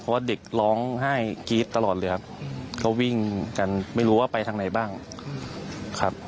เพราะว่าเด็กร้องไห้กรี๊ดตลอดเลยครับก็วิ่งกันไม่รู้ว่าไปทางไหนบ้างครับ